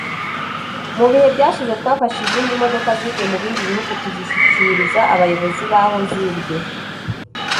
Mu bihe byashize twafashe izindi modoka zibwe mu bindi bihugu tuzishyikiriza abayobozi b’aho zibwe